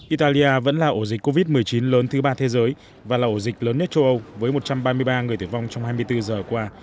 italia vẫn là ổ dịch covid một mươi chín lớn thứ ba thế giới và là ổ dịch lớn nhất châu âu với một trăm ba mươi ba người tử vong trong hai mươi bốn giờ qua